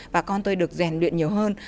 và con tôi được rèn luyện nhiều hơn